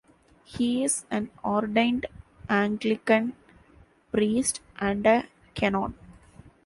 He is an ordained Anglican priest, and a canon.